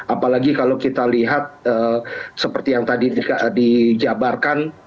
apalagi kalau kita lihat seperti yang tadi dijabarkan